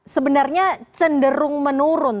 sebenarnya cenderung menurun